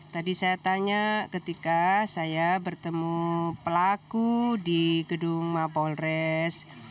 tadi saya tanya ketika saya bertemu pelaku di gedung mapolres